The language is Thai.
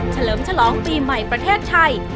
เฉลิมฉลองปีใหม่ประเทศไทย